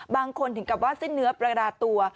บางคนถึงกลับว่าสิ้นเนื้อประหลาดตัว